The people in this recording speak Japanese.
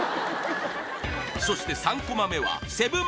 そして３コマ目は７